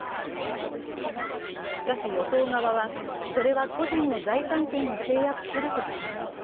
しかし、与党側はそれは個人の財産権を制約すると指摘。